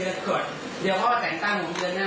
เดี๋ยวข้อแสงตั้งของเจือนหน้า